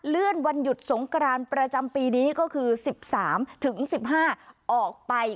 เลื่อนวันหยุดสงกรานประจำปีนี้ก็คือ๑๓๑๕ออกไป